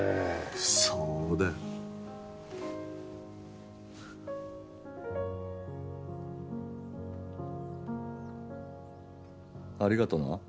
そうだよ。ありがとな。